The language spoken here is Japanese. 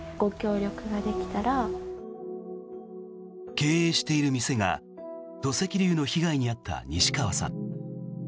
経営している店が土石流の被害に遭った西川さん。